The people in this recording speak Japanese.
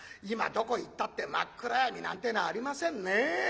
今どこ行ったって真っ暗闇なんてのはありませんね。